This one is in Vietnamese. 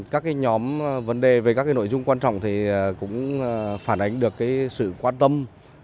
các cái nhóm vấn đề về các cái nội dung quan trọng thì cũng phản ánh được cái sự quan tâm